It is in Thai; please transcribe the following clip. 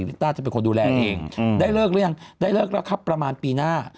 ิต้าจะเป็นคนดูแลเองได้เลิกหรือยังได้เลิกแล้วครับประมาณปีหน้า